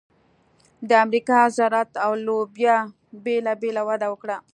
د امریکا ذرت او لوبیا بېله بېله وده وکړه.